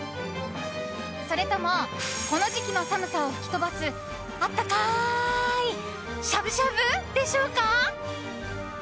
それともこの時期の寒さを吹き飛ばす温かいしゃぶしゃぶでしょうか。